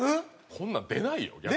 こんなん出ないよ逆に。